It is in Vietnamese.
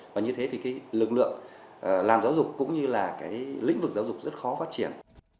và như thế thì cái lực lượng làm giáo dục cũng như là cái lĩnh vực giáo dục rất khó phát triển